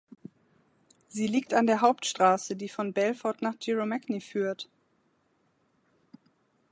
Sie liegt an der Hauptstraße, die von Belfort nach Giromagny führt.